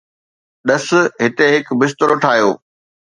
ڏس، هتي هڪ بسترو ٺاهيو